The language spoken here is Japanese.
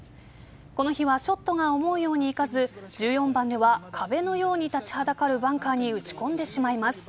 この日はショットが思うようにいかず１４番では壁のように立ちはだかるバンカーに打ち込んでしまいます。